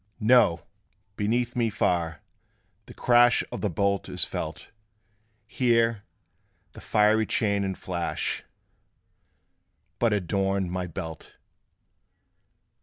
"No: beneath me far, the crash Of the bolt is felt: Here, the fiery chain and flash But adorn my belt."